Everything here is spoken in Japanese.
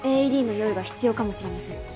ＡＥＤの用意が必要かもしれません。